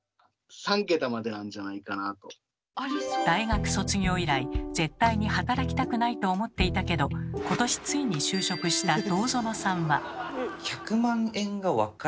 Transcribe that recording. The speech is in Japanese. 大学卒業以来「絶対に働きたくない」と思っていたけど今年ついに就職した堂園さんは。